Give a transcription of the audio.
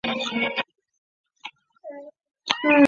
父亲邵维钫英国奥地利裔白人香港社会活动家。